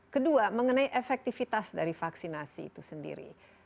kedua mengenai efektivitas dari vaksinasi itu sendiri